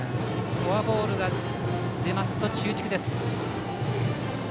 フォアボールが出ますと中軸です。